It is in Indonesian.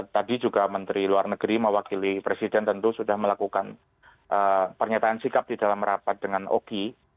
tadi juga menteri luar negeri mewakili presiden tentu sudah melakukan pernyataan sikap di dalam rapat dengan oki